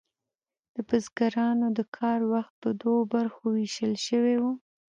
د بزګرانو د کار وخت په دوو برخو ویشل شوی و.